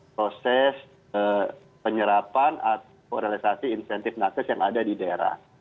proses penyerapan atau realisasi insentif nakes yang ada di daerah